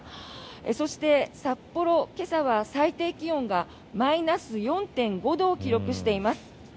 そして、札幌、今朝は最低気温がマイナス４．５度を記録しています。